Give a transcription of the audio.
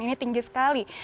ini tinggi sekali